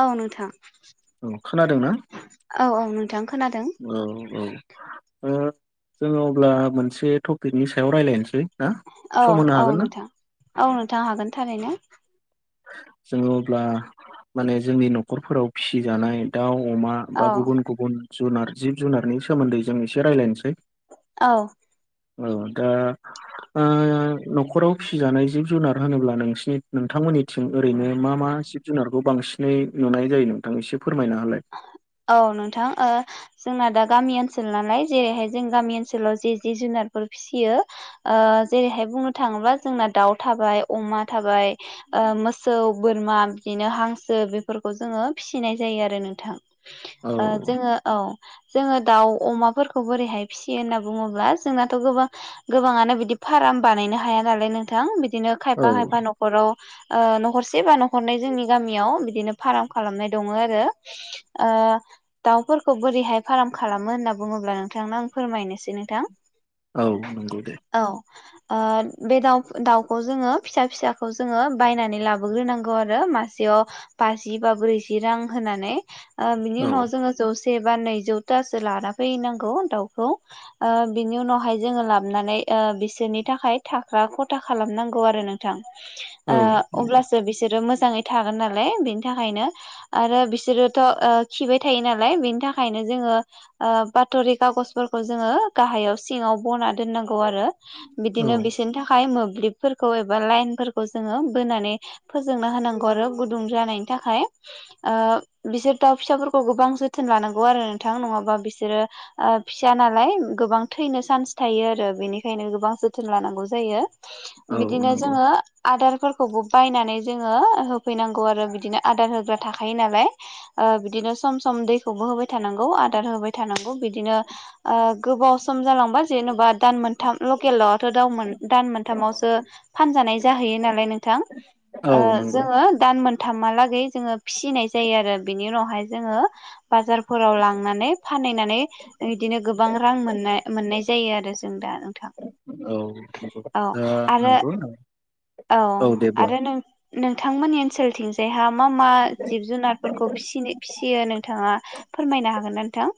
औ नोंथां औ खोनादोंना औ औ नोंथां खोना औ औ ओ जोङो अब्ला मोनसे टपिकनि सायाव रायलायनोसै ना औ सम होनो औ हागोन ना नोंथां औ नोंथां हागोन थारैनो जोङो अब्ला माने जोंनि न'खरफोराव फिसिजानाय दाउ अमा औ बा गुबुन गुबुन जुनार जिब जुनारनि सोमोन्दै जों एसे रायलायनोसै औ औ दा ओ न'खराव फिसिजानाय जिब जुनार होनोब्ला नोंसिनि नोंथांमोनि थिं ओरैनो मा मा जिब जुनारखौ बांसिनै नुनाय जायो नोंथां एसे फोरमायना होलाय औ नोंथां ओ जोंना दा गामि ओनसोल नालाय जेरैहाय जों गामि ओनसोलाव जे जि जुनारफोर फिसियो ओ जेरैहाय बुंनो थाङोबा जोंना दाउ थाबाय अमा थाबाय ओ मोसौ बोरमा बिदिनो हांसो बेफोरखौ जोङो फिसिनाय जायो आरो नोंथां औ ओ जोङो औ जोङो दाउ अमाफोरखौ बोरैहाय फिसियो होनना बुङोब्ला जोंनाथ गोबां गोबाङानो बिदि फार्म बानायनो हाया नालाय नोंथां बिदिनो औ खायफा खायफा न'खराव ओ न'खरसे बा न'खरनै जोंनि गामियाव बिदिनो फार्म खालामनाय दङो आरो [inaudible] ओ दाउफोरखौ बोरैहाय फार्म खालामो होनना बुङोब्ला नोंथांनो आं फोरमायनोसै नोंथां औ नंगौ दे औ ओ बे दाउ दाउखौ जोङो फिसा फिसाखौ जोङो बायनानै लाबोग्रोनांगौ आरो मासे याव बाजि बा ब्रैजि रां होनानै ओ बिनि औ उनाव जोंङो जौसे से बा नैजौथासो लाना फैनांगौ दाउखौ ओ बिनि उनावहाय जोङो लाबोनानै ओ बिसोरनि थाखाय थाग्रा ख' था खालामनांगौ आरो नोंथां औ ओ नंगौ अब्लासो बिसोरो मो जाङै थागोन नालाय बेनि थाखायनो आरो बिस सोरोथ' ओ खिबाय थायो नालाय बिनि थाखायनो जोङो ओ बातरि खागजफोरखौ जोङो गाहायाव सिङाव बना दोननांगौ आरो औ बिदिनो बिसोरनि थाखाय मोब ब्लिबफोरखौ एबा लाइनफोरखौ जोङो बोनानै फोजोंना होनांगौ आरो गुदुं जानायनि थाखाय ओ बिसोर दाउ फिसाफोरखौ गोबां जोथोन लानांगौ आरो नोंथां नङाबा बिसोरो ओ फिसा नालाय गोबां थैनो चान्स थायो आरो बेनिखायनो गोबां जोथोन लानांगौ जायो औ बिदिनो नंगौ जोङो आदार फोरखौबो बायनानै जोङो होफैनांगौ आरो बिदिनो आदार होग्रा थाखायो नालाय ओ बिदिनो सम सम दैखौबो होबाय थानांगौ आदार होबाय थानांगौ बिदिनो ओ गो बाव सम जालांबा जेन'बा दान मोनथाम लकेल दावा आथ' दाउमोन दान मोनथामावसो फानजानाय जाहैयो नालाय नोंथां औ ओ नंगौ जोङो दान मोनथामहालागै जोङो फिसिनाय जायो आरो बिनि उनावहाय जोङो बाजारफोराव लांनानै फानहैनानै इदिनो गोबां रां मोननाय मोननाय जायो आरो जों दा नोंथां औ औ दा आरो नोंगौ नों औ दे बुं आरो नों नोंथांमोननि ओनसोलथिंजायहा मा मा जिब जुनारफोरखौ फिसि फिसियो नोंथाङा फोरमायनो हागोनना नोंथां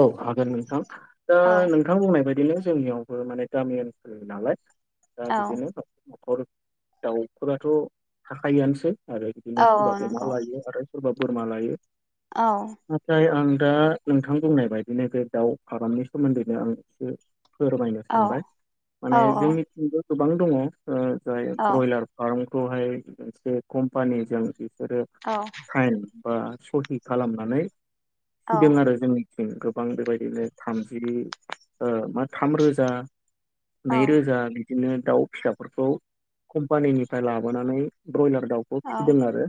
औ हागोन नोंथां दा औ नोंथां बुंनाय बायदिनो जोंनियावबो माने गामि ओनसोलनि नालाय दा औ बिदिनो न' न'खर दाउफोराथ' थाखायोआनोसै आरो बिदिनो औ सोरबा अमा नंगौ लायो आरो सोरबा बोरमा लायो औ नाथाय आं दा नोंथां बुंनाय बायदिनो बे दाउ फारामनि सोमोन्दैनो आं एसे फोरमायनो औ सानबाय माने औ जोंनिथिंबो गोबां दङ ओ जाय औ ब्रयलार फार्मखौहाय मोनसे कम्पानिजों औ साइन बा सहि खालामनानै औ फैदों आरो जोंनि गोबां बेबायदिनो थामजि ओ मा थाम रोजा नैरोजा बिदिनो दाउ फिसाफोरखौ कम्पानिनिफ्राय लाबोनानै ब्रयलार दाउखौ फिसिदों आरो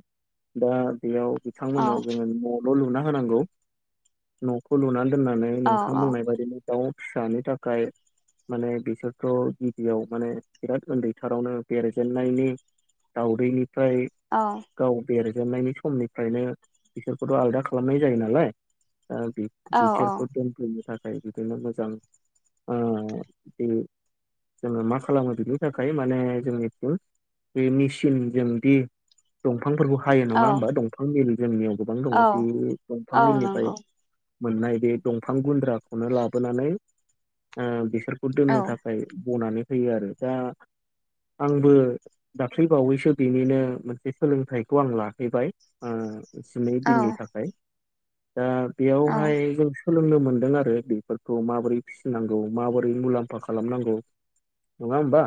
दा बेयाव औ बिथांमोननो जोङो नल लुना होनांगौ नखौ लुनानै दोननानै नोंथां औ बुंनाय बायदिनो दाउ फिसानि थाखाय माने बिसोरथ' गिबियाव माने बिराद उन्दै थारावनो बेरजेननायनि दावउदैनिफ्राय गाव देर जोबनायनि समनिफ्रायनो बिसोरखौथ' आलदा खालामनाय जायो नालाय ओ बि- औ बिसोरखौ दोनफ्लेनो थाखाय बिदिनो मोजां ओ बे जोङो मा खालामो बिनि थाखाय माने जोंनिथिं बे मिसिनजोंदि दंफांफोरखौ हायो नङा औ होमबा दंफां मिल जोंनियाव गोबां दङ औ बे दंफां औ मिलनिफ्राय नंगौ मोननाय बे दंफां गुन्द्राखौनो लाबोनानै ओ बिसोर दोननो नोंथां औ थाखाय बनानै होयो आरो दा आंबो दाख्लै बावैसो बिनिनो मोनसे सोलोंथाइखौ आं लाहैबाय ओ सिनै दिननि थाखाय दा हाय जों सोलोंनो मोनदों आरो बेफोरखौ माबोरै फिसिनांगौ माबोरै मुलाम्फा खालामनांगौ नङा होमबा औ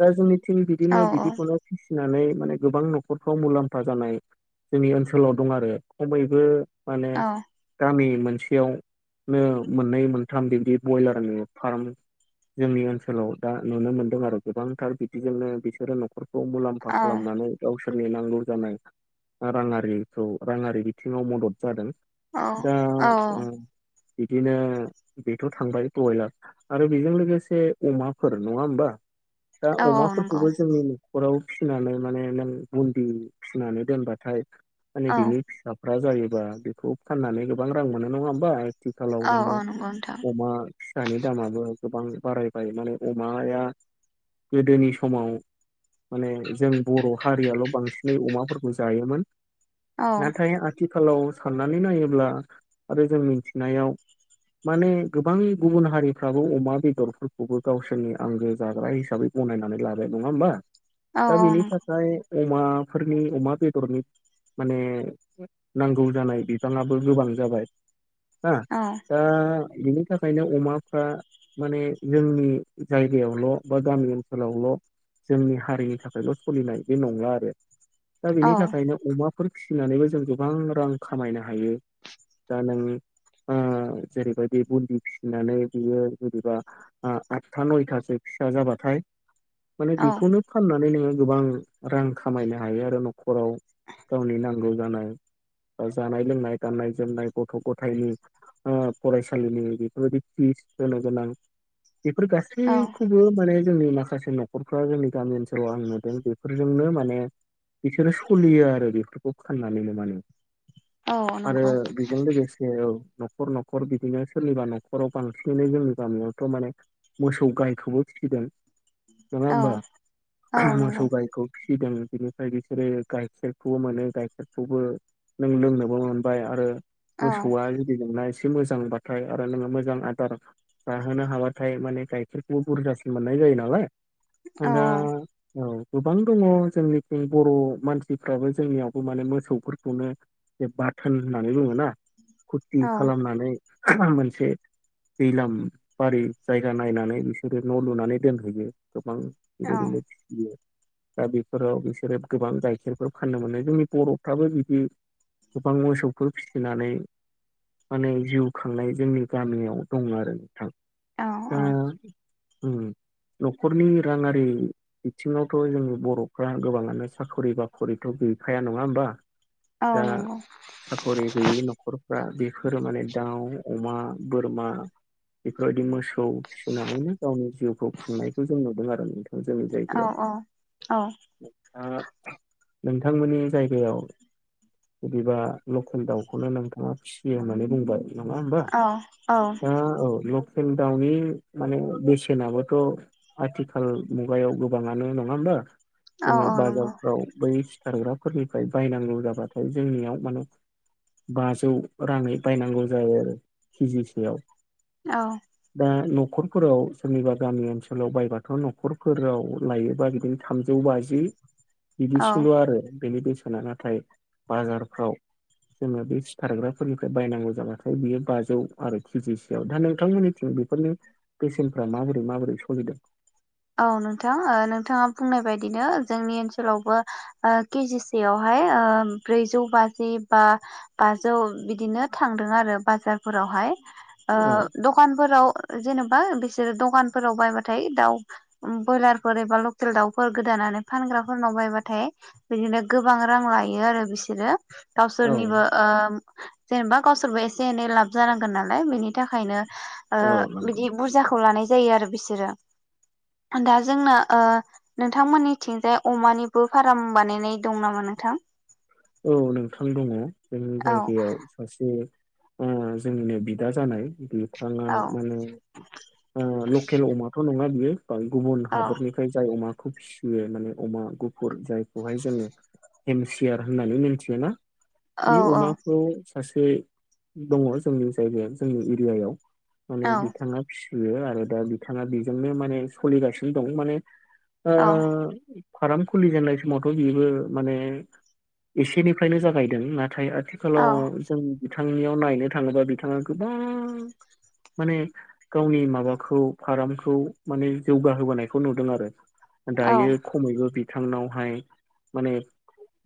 दा जोंनि टिम बिदिनो औ बिदि खौनो फिसिनानै माने गोबां नखरफ्राव मुलाम्फा जानाय जोंनि ओनसोलाव दं आरो खमैबो माने गामि मोनसेयावनो मोननै मोनथाम बिब्दि बयलारनि फार्म जोंनि ओनसोलाव दा नुनो मोनदों आरो गोबांथार बिदिजोंनो बिसोरो नखर मुलाम्फा खालामनानै गाव सोरनि नांगौ जानाय राङारिखौ राङारि बिथिङाव मदद जादों औ दा - ओ औ बिदिनो बेथ थांबाय बयलार आरो बेजों लोगोसे अमाफोर नङा होमबा दा औ नंगौ अमाफोरखौबो जोंनि नखराव फिसिनानै माने नों बुन्दि फिसिनानै दोनबाथाय माने औ बिनि फिसा जायोबा बेखौ फाननानै गोबां रां मोनो नङा हबा आथिखालाव औ माने नंगौ नोंथां अमा फिसानि दामाबो गोबां बारायबाय माने अमाया गोदोनि समाव माने जों बर' हारियाल बांसिनै अमाफोरखौ जायोमोन औ नाथाय आथिखालाव साननानै नायोब्ला आरो जों मिथिनायाव माने गोबां गुबुन हारिफ्राबो अमा बेदरफोरखौबो गावसोरनि आंगो जाग्रा हिसाबै गनायनानै लाबाय नङा होमबा औ दा औ बिनि नंगौ थाखाय अमाफोरनि अमा बेदरनि माने नांगौ जानाय बिफाङाबो गोबां जाबाय ओ दा बिनि थाखायनो अमाफ्रा माने जोंनि जायगायावल बा गामि ओनसोलावल जोंनि हारिनि थाखायल सोलिनाय बे नंला आरो दा औ बेनि थाखायनो अमाफोर फिसिनानैबो जों गोबां रां खामायनो हायो दा नों ओ जेरैबायदि बुन्दि फिसिनानै बियो जेनेबा ओ आथथा नयथासो फिसा जाबाथाय माने औ बेखौनो फाननानै नोङो गोबां रां खामायनो हायो आरो नखराव गावनि नांगौ जानाय जानाय लोंनाय गाननाय - जोमनाय गथ' गथायनि ओ फरायसालिनि बेफोरबायदि फिस होनो गोनां बेफोर औ गासैखौबो माने जोंनि माखासे न'खरफ्रा जोंनि गामि ओनसोलाव आं नुदों बेफोरजोंनो माने बिसोरो सोलियो आरो बेफोरखौ फाननानैनो माने औ आरो नंगौ बेजों औ लोगोसे न'खर न'खर बिदिनो सोरनिबा न'खराव बांसिनैानो जोंनि गामियावथ' माने मोसौ गायखौबो फिसिदों नङा औ होमबा औ नंगौ मोसौ गायखौ फ फिसिदों बिनिफ्राय बिसोरो गाइखेरखौबो मोनो गाइखेरखौबो नों लोंनोबो मोनबाय आरो औ मोसौआ गुदि जोंना एसे मोजांबाथाय आरो नोङो मोजां आदार जाहोनो हाबाथाय माने गाइखेरखौबो बुरजासिन मोननाय जायो नालाय दा औ गोबां दङ जोंनि बर' मानसिफ्राबो जोंनियावबो माने मोसौफोरखौनो बे बाथोन होननानै बुङो ना फुरथि औ खालामनानै मोनसे दैलाम बारि जायगा नायनानै बिसोरो न' लुनानै दोनहैयो गोबां बेबायदिनो फियो दा बेफोराव बिसोरो गोबां गाइखेरफोर फाननो मोनो जोंनि बर'फ्राबो बिदि गोफां मोसौफोरि फिसिनानै माने जिउ खांनाय जोंनि गामियाव दं आरो नोंथां औ ओ उम न'खरनि राङारि बिथिङावथ' जोंनि बर'फ्रा गोबाङानो साखरि बाखरिथ' गैखाया नङा होमबा औ दा नंगौ साखरि गैयि नखरफ्रा बेफोरो माने दाउ अमा बोरमा बेफोरबायदि मोसौ गौ फिसिनानैनो गावनि जिउखौ खुननायखौ जों नुदों आरो नो जोंनि औ जायगायाव औ नोंथांमोननि जायगायाव बिदिबा लकेल दाउखौनो नोंथाङा फिसियो होननानै बुंबाय नङा होमबा औ दा औ ल केल दाउनि माने बेसेनाबोथ' आथिखाल मुगायाव गोबाङानो नङा होमबा औ जोङो औ नंगौ बाजारफ्राव बै सारग्राफोरनिफ्राय बायनांगौ जाबाथाय जोंनियाव माने बाजौ राङै बायनांगौ जायो आरो केजिसेयाव औ दा न'खरफोराव सोरनिबा गामि ओनसोलाव बायबाथ' न'खरफोराव लायोबा बिदिनो थामजौ ब बाजि औ बिदिसेल' आरो बेनि बेसेना नाथाय बाजारफ्राव जोङो बे सिथारग्राफोरनिफ्राय बायनांगौ जाबाथाय बियो बाजौ आरो केजिसोयाव दा नोंथांमोननिथिं बेनि बेसेनफ्रा माबोरै माबोरै सोलिदों औ नोंथां नोंथाङा बुंनाय बायदिनो जोंनि ओनसोलावबो केजिसेयावहाय ओमफ्राय ब्रैजौ बाजि बा बाजौ बिदिनो थांदों आरो बाजारफोरावहा औ दखानफोराव जेनेबा बिसोर दखानफोराव बायबाथाय दाउ ब्रयलारफोर एबा लकेल दाउफोर गोदानानै फानग्राफोरनाव बायबाथाय बिदिनो गोबां रां लायो आरो बिसोरो औ गावसोरनिबो जेनेबा गावसोरबो एसे एनै लाब जानांगोन नालाय बिनि थाखायनो औ नंगौ बिदि बुरजाखौ लानाय जायो आरो बिसोरो [inaudible] दा जोंना नोंथांमोननिथिंजाय अमानिबो फार्म बानायनाय दं नामा नोंथां औ नोंथां दङ जोंनि औ जायगायाव सासे जोंनिनो बिदा जानाय थाङा औ माने ओ लकेल अमाथ' नङा बियो गुबुन औ हादोरनिफ्राय जाय अमा खौ फिसियो माने अमा गुफुर जायखौहाय जोङो हेमसियार होननानै मिथियो ना औ बे औ अमाखौ सासे दङ जोंनि जायगाया जोंनि एरियायाव माने औ बिथाङा फिसियो आरो दा बिथाङा बेजोंनो माने सोलिगासिनो दं माने ओ औ फार्म खुलिजेननाय समावथ' बेबो माने एसेनिफ्रायनो जागायदों नाथाय औ आथिखालाव जों बिथांनियाव नायनो थाङोबा बिथाङा गोबां माने गावनि माबाखौ फार्मखौ माने जौगाहोबोनायखौ नुदों आरो। औ दायो खमैबो बिथांनावहाय माने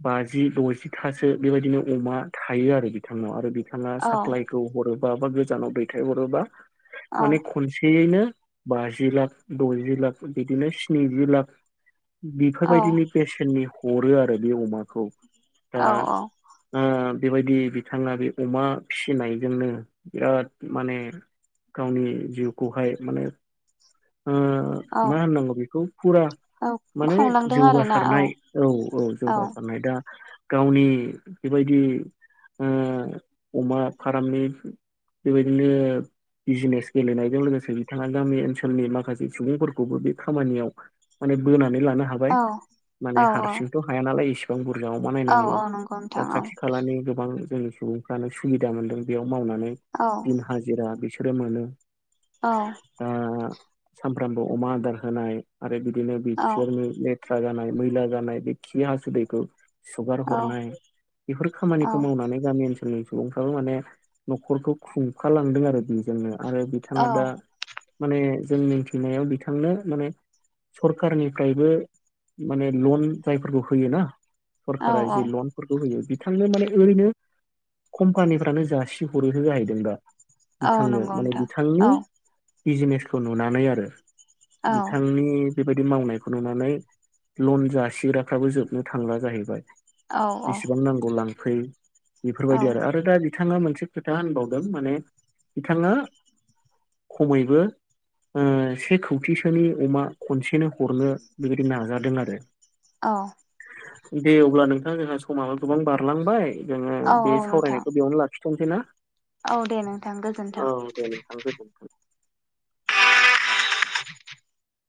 बाजि द'जिथासो बेबायदिनो अमा थायो आरो बिथांनाव आरो बिथाङा औ साप्लाायखौ हरोबा बा गोजानाव दैथायहरोबा औ माने खनसेयैनो बाजि लाख द'जि लाख बिदिनो स्निजि लाख बेफोरबायदिनो बेसेननि हरो आरो बे अमाखौ दा औ औ। ओ बेबायदि बिथाङा बे अमा फिसिनायजोंनो बिराद माने गावनि जिउखौहाय माने ओ औ होननांगौ बेखौ फुरा औ माने खुंलांदों आरोना जौगासारनाय औ औ जौगार दा गावनि बेबायदि ओ अमा फारामनि बेबायदिनो बिजिनेस गेलेनायजों लोगोसे बिथाङा गामि ओनसोलनि माखासे सुबुंफोरखौबो बे खामानियाव माने बोना लानो हाबाय औ औ हारसिंथ' हाया नालाय एसेबां गोजाव औ बानायनांगौ औ नंगौ दा नोंथां औ खाथि खालानि गोबां जोंनि सुबुंफ्रानो सुबिदा मोनदों बेयाव मावनानै औ दिन हाजिरा बिसोरो मोनो औ दा सानफ्रामबो अमा आदार होनाय आरो बिदिनो औ बिसोरनि ले थ्रा जानाय मैला जानाय बेखि हासुदैखौ सुगार औ हरनाय बेफोर औ खामानिखौ मावनानै गामि ओनसोल नि जोंनि सुबुंफ्राबो माने न'खरखौ खुंखालांदों आरो बेजोंनो आरो बिथाङा औ दा माने जों मिथिनायाव बिथांनो माने सरखारारनिफ्रायबो माने लन जायफोरखौ होयोना औ सरकारा औ जि लनफोरखौ होयो बिथांनो माने ओरैनो कम्पानिफ्रानो जासि हरोनो जाहैदों दा औ बिथांनो नंगौ माने नोंथां बिथांनि औ बिजिनेसखौ नुनानै आरो औ बिथांनि बेबायदि मावनायखौ नुनानै लन जासिग्राफ्राबो जोबनो थांला जाहैबाय औ बेसेबां नांगौ लांफै बेफोरबायदि आरो आरो दा बिथाङा मोनसे खोथा होनबावदों माने बिथाङा खमैबो से खौथिसोनि अमा खनसे बेखायनो हरनो बेबायदि नाजादों आरो। औ दे अब्ला नोंथां जोंहा समाबो गोबां बारलांबाय जोङो औ बे औ नोंथां सावरायनायखौ बेयावनो लाखिथ'नोसै ना औ दे नोंथां गोजोन्थों। औ दे नोंथां गोजोन्थों।